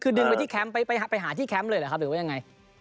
คือดึงไปที่แคมป์ไปหาที่แคมป์เลยหรือยังไง